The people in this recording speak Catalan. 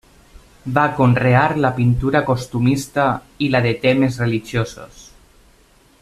Va conrear la pintura costumista i la de temes religiosos.